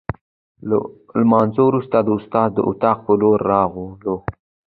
له لمانځه وروسته د استاد د اتاق په لور راغلو.